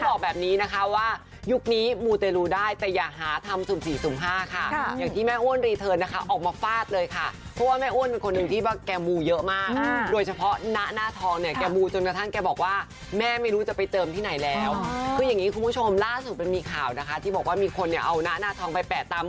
บอกแบบนี้นะคะว่ายุคนี้มูเต็รูได้แต่อย่าหาทำศศศศศศศศศศศศศศศศศศศศศศศศศศศศศศศศศศศศศศศศศศศศศศศศศศศศศศศศศศศศศศ